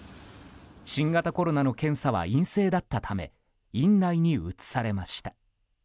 新型コロナの検査は陰性だったため院内に移されました。